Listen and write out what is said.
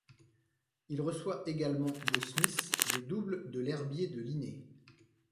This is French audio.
Il reçoit également de Smith des doubles de l’herbier de Linné.